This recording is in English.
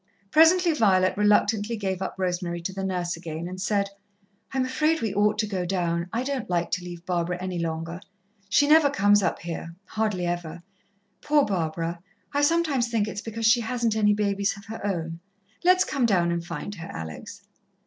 Presently Violet reluctantly gave up Rosemary to the nurse again, and said: "I'm afraid we ought to go down. I don't like to leave Barbara any longer. She never comes up here hardly ever. Poor Barbara! I sometimes think it's because she hasn't any babies of her own. Let's come down and find her, Alex."